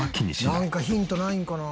「なんかヒントないんかな？」